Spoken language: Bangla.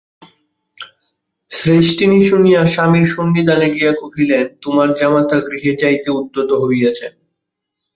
শ্রেষ্ঠিনী শুনিয়া স্বামীর সন্নিধানে গিয়া কহিলেন, তোমার জামাতা গৃহে যাইতে উদ্যত হইয়াছেন।